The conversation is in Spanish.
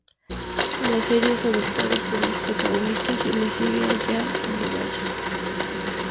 En la serie es adoptado por los protagonistas y les sigue allá donde vayan.